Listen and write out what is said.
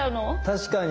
確かに。